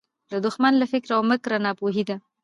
د دښمن له فکر او مِکره ناپوهي ده